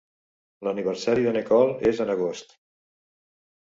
L'aniversari de Nicole és en agost.